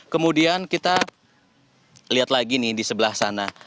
kemudian kita lihat lagi nih di sebelah sana